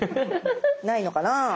ないのかなぁ。